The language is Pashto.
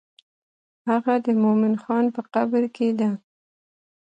هغه د مومن خان په قبر کې ده.